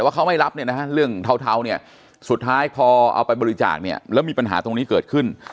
ว่าเขาไม่รับเนี่ยนะฮะเรื่องเทาเนี่ยสุดท้ายพอเอาไปบริจาคเนี่ยแล้วมีปัญหาตรงนี้เกิดขึ้น